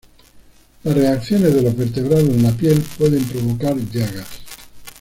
Las reacciones de los vertebrados en la piel pueden provocar llagas.